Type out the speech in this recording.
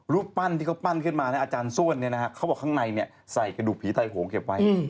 รูปปั้นที่เขาปั้นขึ้นมาอาจารย์ส้วนเขาบอกข้างในใส่กระดูกผีไทยโหงเก็บไว้